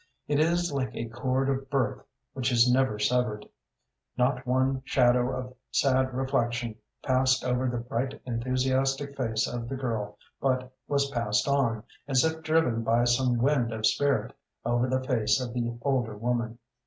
It is like a cord of birth which is never severed. Not one shadow of sad reflection passed over the bright enthusiastic face of the girl but was passed on, as if driven by some wind of spirit, over the face of the older woman.